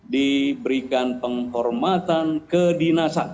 diberikan penghormatan ke dinasa